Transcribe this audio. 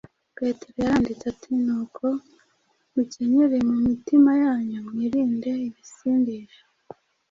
petero yaranditse ati: “nuko mukenyere mu mitima yanyu, mwirinde ibisindisha,